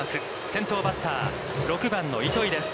先頭バッター、６番の糸井です。